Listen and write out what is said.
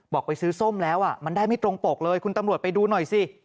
ไปซื้อส้มแล้วมันได้ไม่ตรงปกเลยคุณตำรวจไปดูหน่อยสิ